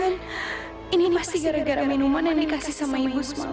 ini ini pasti gara gara minuman yang dikasih sama ibu semalam